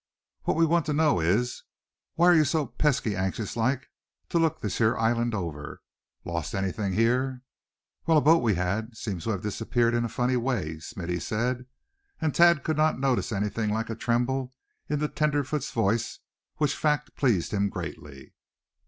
What we want to know is, why are ye so pesky anxious like to look this here island over? Lost anything here?" "Well, a boat we had seems to have disappeared in a funny way," Smithy said; and Thad could not notice anything like a tremble in the tenderfoot's voice, which fact pleased him greatly.